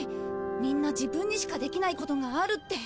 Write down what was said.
みんな自分にしかできないことがあるって。